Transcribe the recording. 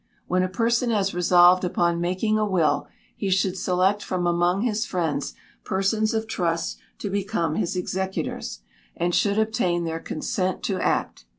When a person has resolved upon making a will, he should select from among his friends persons of trust to become his executors, and should obtain their consent to act.